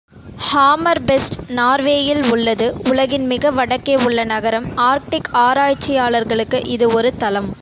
Hammer best நார்வேயில் உள்ளது உலகின் மிக வடக்கே உள்ள நகரம் ஆர்க்டிக் ஆராய்ச்சியாளர்களுக்கு இது ஒரு தளம்.